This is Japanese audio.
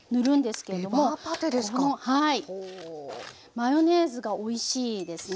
マヨネーズがおいしいですね。